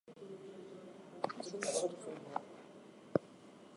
Each different body part has advantages and disadvantages.